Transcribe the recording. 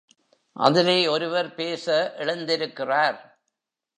அதிலே ஒருவர் பேச எழுந்திருக்கிறார்.